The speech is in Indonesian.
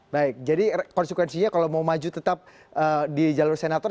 baik jadi konsekuensinya kalau mau maju tetap di jalur senator